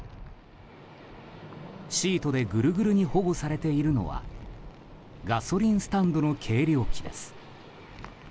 シートでグルグルに保護されているのはガソリンスタンドの計量機です。